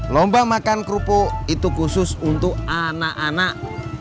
lomba makan kerupuk itu khusus untuk anak anak